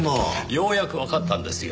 ようやくわかったんですよ。